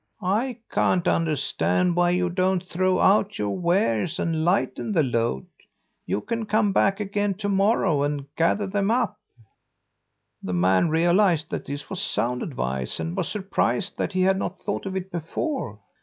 "'I can't understand why you don't throw out your wares and lighten the load. You can come back again to morrow and gather them up.' "The man realized that this was sound advice and was surprised that he had not thought of it before.